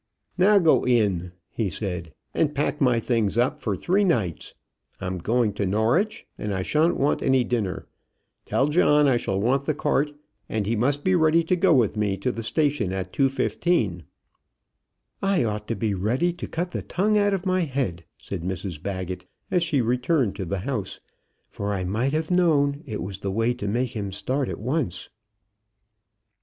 "Now go in," he said, "and pack my things up for three nights. I'm going to Norwich, and I shan't want any dinner. Tell John I shall want the cart, and he must be ready to go with me to the station at 2.15." "I ought to be ready to cut the tongue out of my head," said Mrs Baggett as she returned to the house, "for I might have known it was the way to make him start at once."